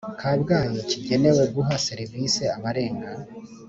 Kabgayi kigenewe guha serivisi abarenga